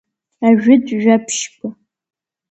Ажәытә жәабжьқәа.